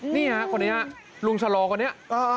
เนี่ยคนเนี่ยลุงชะลอก่อนเนี่ย